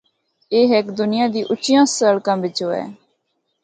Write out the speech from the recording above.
اے ہک دنیا دی اُچیاں سڑکاں بچو ہو۔